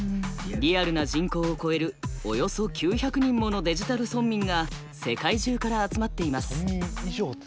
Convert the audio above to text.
リアルな人口を超えるおよそ９００人ものデジタル村民が世界中から集まっています。